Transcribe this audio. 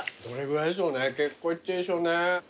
どれぐらいでしょうね結構いってるでしょうね。